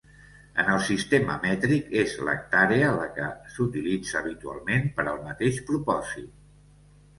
En el sistema mètric, és l'hectàrea la que s'utilitza habitualment per al mateix propòsit.